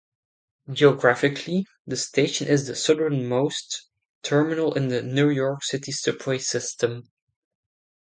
Geographically, the station is the southernmost terminal in the New York City Subway system.